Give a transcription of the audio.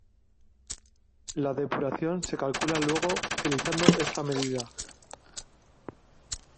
La depuración se calcula luego utilizando esta medida.